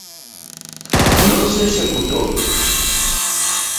Non se executou.